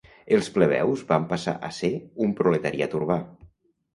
Els plebeus van passar a ser un proletariat urbà.